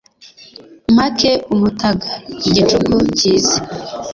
Mpake umutaga igicuku kize